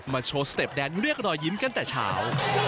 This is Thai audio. โชว์สเต็ปแดนเลือกรอยยิ้มกันแต่เช้า